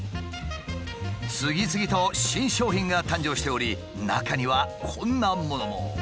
次々と新商品が誕生しており中にはこんなものも。